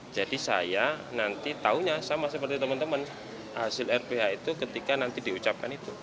jadi saya nanti taunya sama seperti teman teman hasil rph itu ketika nanti diucapkan itu